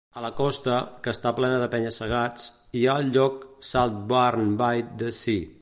A la costa, que està plena de penya-segats, hi ha el lloc Saltburn-by-the-Sea.